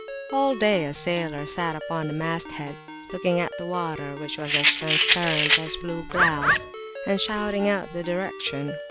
All day a sailor sat upon the masthead, looking at the water, which was transparent as blue glass, and shouting out the direction.